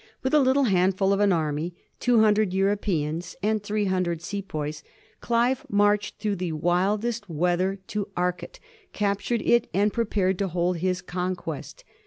With a little handful of an army — 200 Europeans and 300 Sepoys — Clive marched through the wildest weather to Arcot, captured it, and prepared to hold his conquest.